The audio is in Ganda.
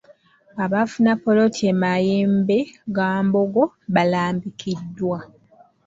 Abaafuna poloti e Mayembegambogo balambikiddwa.